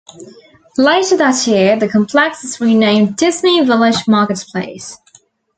Later that year, the complex was renamed "Disney Village Marketplace".